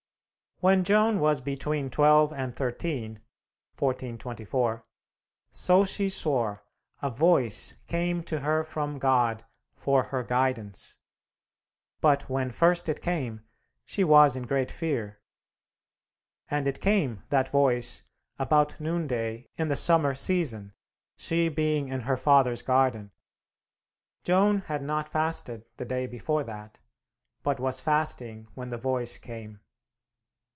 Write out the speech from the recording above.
When Joan was between twelve and thirteen (1424), so she swore, a Voice came to her from God for her guidance, but when first it came, she was in great fear. And it came, that Voice, about noonday, in the summer season, she being in her father's garden. Joan had not fasted the day before that, but was fasting when the Voice came.